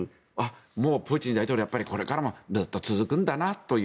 もうプーチン大統領はこれからもずっと続くんだなという。